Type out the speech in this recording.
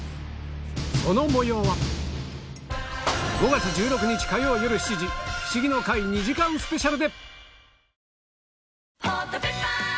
その模様は５月１６日火曜よる７時『フシギの会』２時間スペシャルで！